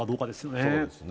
そうですね。